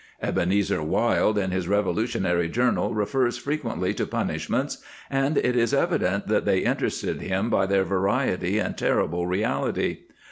"^ Ebenezer Wild in his Revolutionary journal refers frequently to punishments, and it is evi dent that they interested him by their variety and terrible reality.